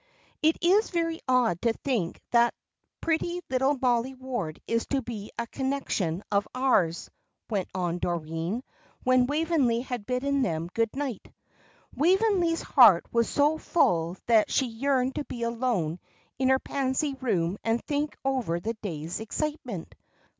"It is very odd to think that that pretty little Mollie Ward is to be a connection of ours," went on Doreen, when Waveney had bidden them good night. Waveney's heart was so full that she yearned to be alone in her Pansy Room and think over the day's excitement.